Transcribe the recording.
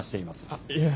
あっいや。